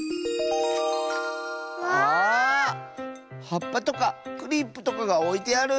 はっぱとかクリップとかがおいてある。